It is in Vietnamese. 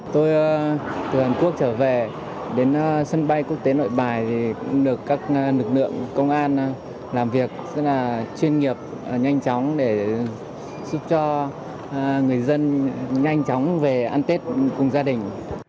tôi từ hàn quốc trở về đến sân bay quốc tế nội bài thì cũng được các lực lượng công an làm việc rất là chuyên nghiệp nhanh chóng để giúp cho người dân nhanh chóng về ăn tết cùng gia đình